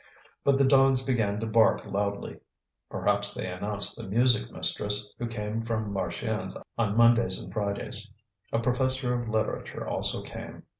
But the dogs began to bark loudly; perhaps they announced the music mistress, who came from Marchiennes on Mondays and Fridays. A professor of literature also came.